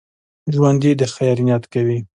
ژوندي د خیر نیت کوي